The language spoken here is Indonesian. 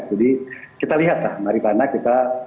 jadi kita lihat lah maripana kita